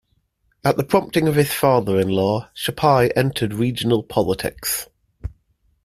At the prompting of his father-in-law, Chapais entered regional politics.